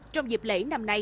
trong dịp lễ năm nay